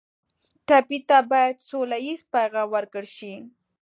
ټپي ته باید سوله ییز پیغام ورکړل شي.